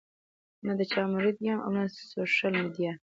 نۀ د چا مريد يم او نۀ سوشل ميډيا